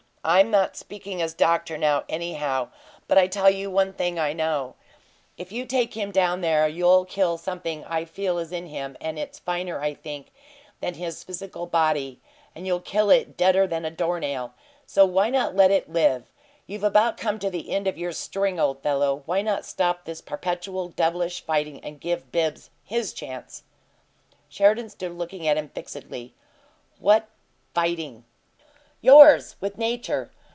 I'm not speaking as doctor now, anyhow. But I tell you one thing I know: if you take him down there you'll kill something that I feel is in him, and it's finer, I think, than his physical body, and you'll kill it deader than a door nail! And so why not let it live? You've about come to the end of your string, old fellow. Why not stop this perpetual devilish fighting and give Bibbs his chance?" Sheridan stood looking at him fixedly. "What 'fighting?'" "Yours with nature."